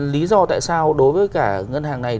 lý do tại sao đối với cả ngân hàng này